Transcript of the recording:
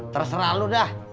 terserah lo dah